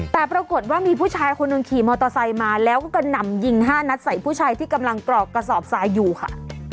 แต่ปรากฏว่ามีผู้ชายคนหนึ่งขี่มอเตอร์ไซค์มาแล้วก็กระหน่ำยิง๕นัดใส่ผู้ชายที่กำลังกรอกกระสอบทรายอยู่ค่ะ